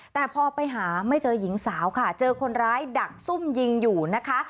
แต่พอไปหาไม่เจอหญิงสาวค่ะเจอคนร้ายดักซุ่มยิงอยู่นะคะ